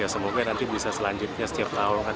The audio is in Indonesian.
semoga nanti bisa selanjutnya setiap tahun